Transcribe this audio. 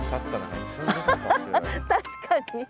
確かに。